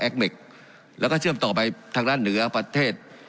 แล้วก็เชื่อมต่อไปทางด้านเหนือประเทศ